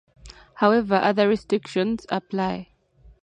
However, other restrictions apply.